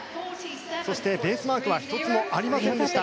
そして、ベースマークは１つもありませんでした。